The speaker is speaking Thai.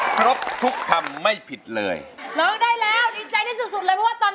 ครบทุกคำไม่ผิดเลยลองได้แล้วดีใจที่สุดสุดเลย